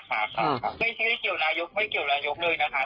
ว่าเกิดสีลิ้นก็คือว่าใช้ไม่ได้อยู่แล้ว